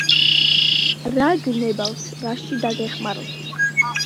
რა გნებავთ რაში დაგეხმაროთ